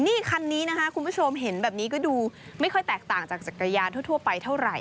นี่คันนี้นะคะคุณผู้ชมเห็นแบบนี้ก็ดูไม่ค่อยแตกต่างจากจักรยานทั่วไปเท่าไหร่